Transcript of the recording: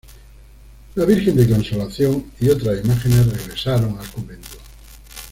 La Virgen de Consolación y otras imágenes regresaron al convento.